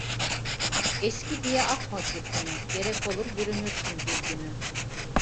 Eski diye atma kürkünü; gerek olur bürünürsün bir günü.